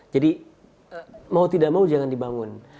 jadi mau tidak mau jangan dibangun